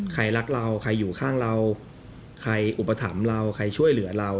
ใครรักเราใครอยู่ข้างเราใครอุปถัมภ์เราใครช่วยเหลือเรา